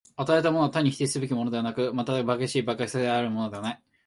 与えられたものは単に否定すべきものでもなく、また媒介し媒介せられるものでもない。